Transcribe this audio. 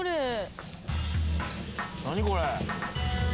何これ。